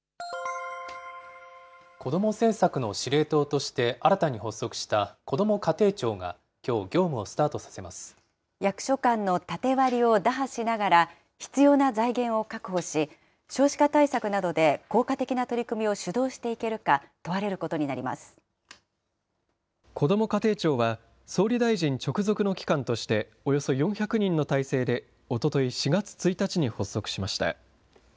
子ども政策の司令塔として新たに発足したこども家庭庁が、き役所間の縦割りを打破しながら、必要な財源を確保し、少子化対策などで効果的な取り組みを主導していけるか、問われるこども家庭庁は、総理大臣直属の機関としておよそ４００人の体制で、おととい４月１日に発足しました。